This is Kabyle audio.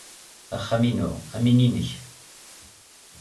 Axxam-inu am win-nnek.